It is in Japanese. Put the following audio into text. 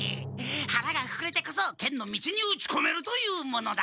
はらがふくれてこそ剣の道に打ちこめるというものだ！